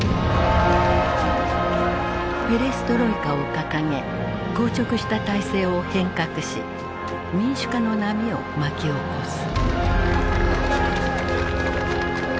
ペレストロイカを掲げ硬直した体制を変革し民主化の波を巻き起こす。